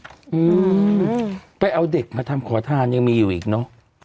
อืมไปเอาเด็กมาทำขอทานยังมีอยู่อีกเนอะ